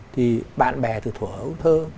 thì bạn bè từ thủa hữu thơ